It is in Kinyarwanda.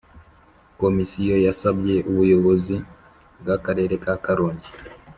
Komisiyo yasabye Ubuyobozi bw Akarere ka Karongi